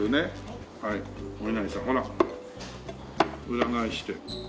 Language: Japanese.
裏返してる。